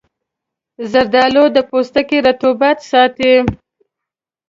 زردآلو د پوستکي رطوبت ساتي.